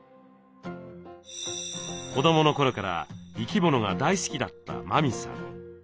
子どもの頃から生き物が大好きだった麻美さん。